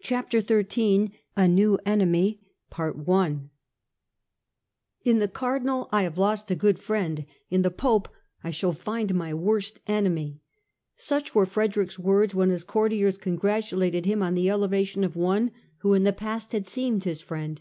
Chapter XIII A NEW ENEMY IN the Cardinal I have lost a good friend ; in the Pope I shall find my worst enemy." Such were Frederick's words when his courtiers con gratulated him on the elevation of one who in the past had seemed his friend.